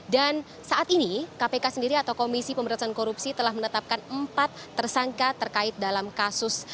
dan saat ini kpk sendiri atau komisi pemberantasan korupsi telah menetapkan empat tersangka terkait dalam kasus